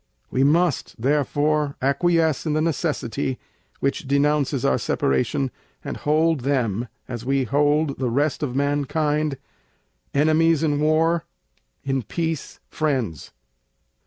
We must, therefore, acquiesce in the necessity, which denounces our Separation, and hold them, as we hold the rest of mankind, Enemies in War, in Peace Friends.